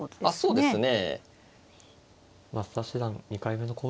そうですね